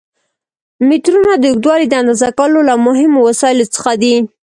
مترونه د اوږدوالي د اندازه کولو له مهمو وسایلو څخه دي.